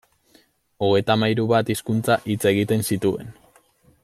Hogeita hamahiru bat hizkuntza hitz egiten zituen.